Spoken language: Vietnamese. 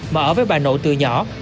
mà ở với bà nội từ nhỏ